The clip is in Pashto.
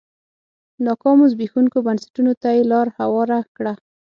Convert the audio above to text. ناکامو زبېښونکو بنسټونو ته یې لار هواره کړه.